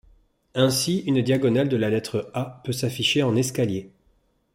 Ainsi une diagonale de la lettre A peut s'afficher en escalier.